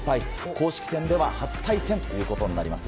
公式戦では初対戦ということになります。